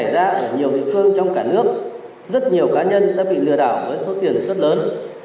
ra ở nhiều địa phương trong cả nước rất nhiều cá nhân đã bị lừa đảo với số tiền rất lớn